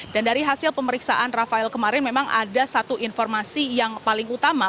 dan dari hasil pemeriksaan rafael kemarin memang ada satu informasi yang paling utama